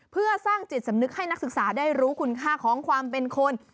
เพื่อสร้างจิตสำนึกให้นักศึกษาได้รู้คุณค่าของความเป็นคน